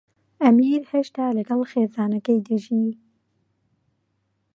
ئەمیر هێشتا لەگەڵ خێزانەکەی دەژی.